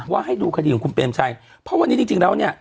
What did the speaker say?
ให้ดูคดีของคุณเปรมชัยเพราะวันนี้จริงแล้วเนี่ย